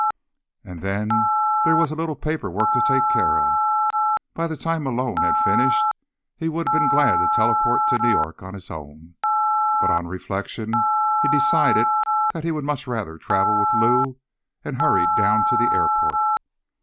And then there was a little paperwork to take care of. By the time Malone had finished, he would have been glad to teleport to New York on his own. But on reflection he decided that he would much rather travel with Lou, and hurried down to the airport.